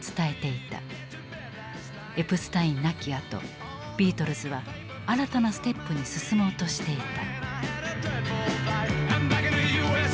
エプスタイン亡きあとビートルズは新たなステップに進もうとしていた。